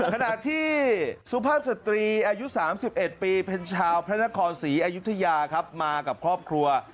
ขณะที่สุภาพสตรีอายุ๓๑ปีเป็นชาวพระนครศรีอยุธยาครับมากับครอบครัว